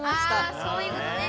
あそういうことね。